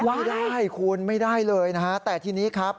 ไม่ได้คุณไม่ได้เลยนะฮะแต่ทีนี้ครับ